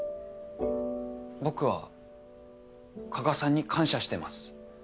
僕は加賀さんに感謝してます。